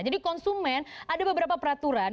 jadi konsumen ada beberapa peraturan